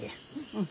うん。